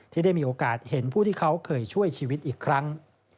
ที่ได้มีโอกาสเห็นผู้ที่เขาเคยช่วยชีวิตอีกครั้ง